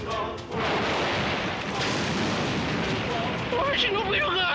わしのビルが！